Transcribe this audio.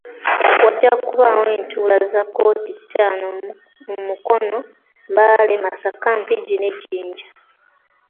Wajja kubaawo entuula za kkooti ttaano mu Mukono, Mbale, Masaka, Mpigi ne Jinja.